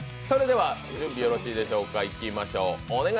それでは準備よろしいでしょうか、いってみましょう。